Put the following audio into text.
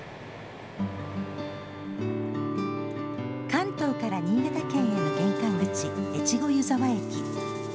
関東から新潟県への玄関口、越後湯沢駅。